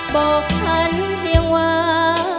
บอกฉันเพียงว่า